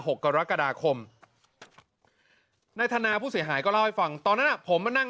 หกกรกฎาคมนายธนาผู้เสียหายก็เล่าให้ฟังตอนนั้นอ่ะผมมานั่ง